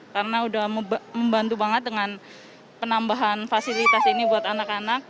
karena sudah membantu banget dengan penambahan fasilitas ini buat anak anak